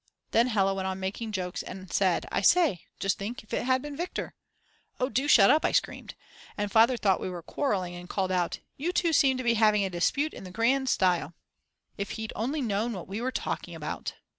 Then Hella went on making jokes and said: "I say, just think if it had been Viktor." "Oh, do shut up," I screamed, and Father thought we were quarrelling and called out: "You two seem to be having a dispute in the grand style." If he'd only known what we were talking about!!!